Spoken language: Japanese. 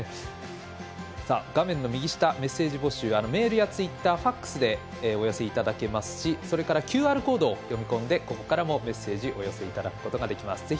画面の右下メッセージ募集はメールやツイッター、ＦＡＸでお寄せいただけますしそれからＱＲコード読み込んでここからもお寄せいただくことができます。